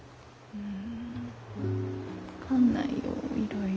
うん。